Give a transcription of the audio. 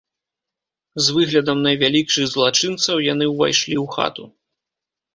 З выглядам найвялікшых злачынцаў яны ўвайшлі ў хату.